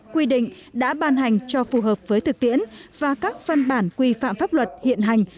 quy định đã ban hành cho phù hợp với thực tiễn và các văn bản quy phạm pháp luật hiện hành